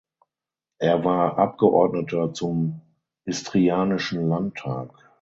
Er war Abgeordneter zum Istrianischen Landtag.